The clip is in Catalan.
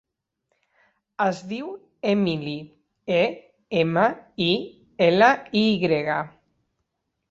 Es diu Emily: e, ema, i, ela, i grega.